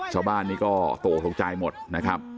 ชาวบ้านนี้ก็ตกตกใจหมดนะครับ